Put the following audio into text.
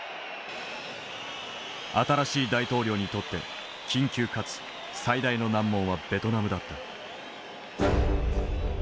新しい大統領にとって緊急かつ最大の難問はベトナムだった。